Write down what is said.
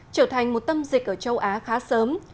trở thành một tâm dịch ở châu á khá sớm